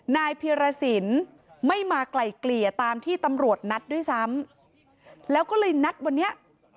นายเพียรสินไม่มาไกลเกลี่ยตามที่ตำรวจนัดด้วยซ้ำแล้วก็เลยนัดวันนี้